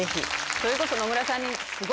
それこそ野村さんに。